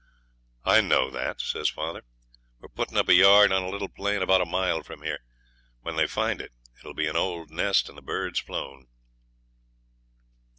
'I know that,' says father. 'We're putting up a yard on a little plain about a mile from here. When they find it, it'll be an old nest, and the birds flown.'